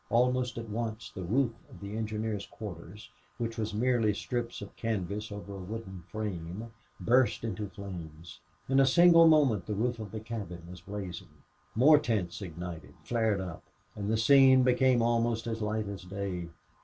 Almost at once the roof of the engineers' quarters, which was merely strips of canvas over a wooden frame, burst into flames. In a single moment the roof of the cabin was blazing. More tents ignited, flared up, and the scene became almost as light as day.